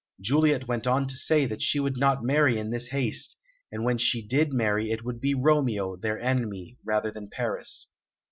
Juliet went on to say that she would not marry in this haste, and when she did marry it would be Romeo, their enemy, rather than Paris.